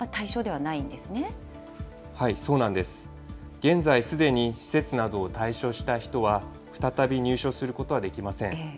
現在、すでに施設などを退所した人は再び入所することはできません。